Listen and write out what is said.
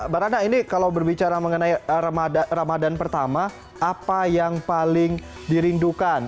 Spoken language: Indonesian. mbak rana ini kalau berbicara mengenai ramadan pertama apa yang paling dirindukan